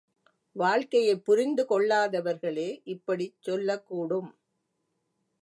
வாழ்க்கையைப் புரிந்து கொள்ளாதவர்களே இப்படிச் சொல்லக் கூடும்.